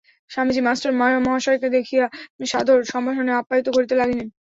Swamiji master মহাশয়কে দেখিয়া সাদর সম্ভাষণে আপ্যায়িত করিতে লাগিলেন।